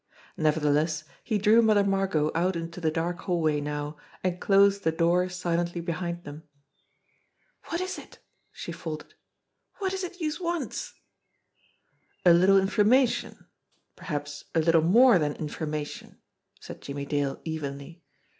Nevertheless, he drew Mother Margot out into the dark hallway now, and closed the door silently behind them. "Wot is it?" she faltered. "Wot is it youse wants?" "A little information perhaps a little more than informa tion," said Jimmie Dale evenly.